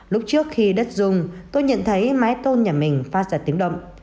lúc trước khi đất dùng tôi nhận thấy mái tôn nhà mình phát ra tiếng động